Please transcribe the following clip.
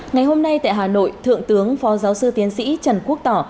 ngày hôm nay tại hà nội thượng tướng phó giáo sư tiến sĩ trần quốc tỏ